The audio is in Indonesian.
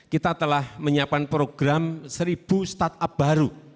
kita telah menyiapkan program seribu startup baru